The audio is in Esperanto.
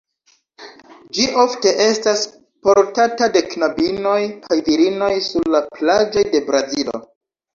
Ĝi ofte estas portata de knabinoj kaj virinoj sur la plaĝoj de Brazilo.